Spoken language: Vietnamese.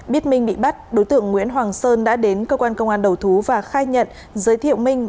biết minh bị bắt đối tượng nguyễn hoàng sơn đã đến cơ quan công an đầu thú và khai nhận giới thiệu minh